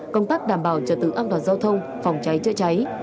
công tác đảm bảo trả tự an toàn giao thông phòng cháy trợ cháy